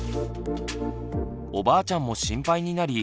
おばあちゃんも心配になり